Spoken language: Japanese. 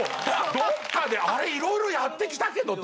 どっかでいろいろやってきたけどと。